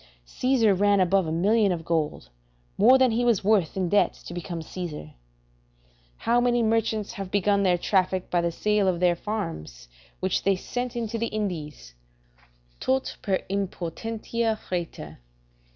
Caesar ran above a million of gold, more than he was worth, in debt to become Caesar; and how many merchants have begun their traffic by the sale of their farms, which they sent into the Indies, "Tot per impotentia freta."